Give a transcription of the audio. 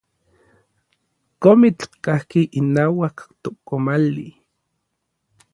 Komitl kajki inauak komali.